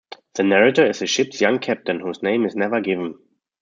The narrator is the ship's young captain, whose name is never given.